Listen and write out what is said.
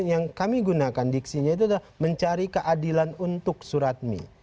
yang kami gunakan diksinya itu adalah mencari keadilan untuk surat mi